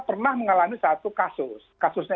pernah mengalami satu kasus kasusnya